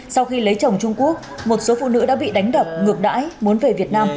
sau khi lấy chồng trung quốc một số phụ nữ đã bị đánh đập ngược đãi muốn về việt nam